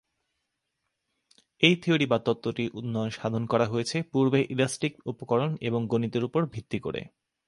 এই থিওরি বা তত্ত্বটির উন্নয়ন সাধন করা হয়েছে পূর্বের ইলাস্টিক উপকরণ এবং গণিতের উপর ভিত্তি করে।